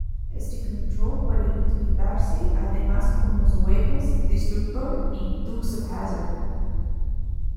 Este control puede utilizarse además con los juegos "Destructor" y "Dukes Of Hazzard".